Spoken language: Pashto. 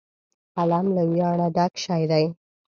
قلم له ویاړه ډک شی دی